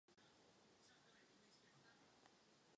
Jeho expedice byla kvůli fotografování obzvláště náročná.